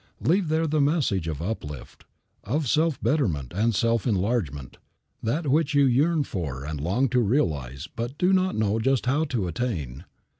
Leave there the message of up lift, of self betterment and self enlargement, that which you yearn for and long to realize but do not know just how to attain.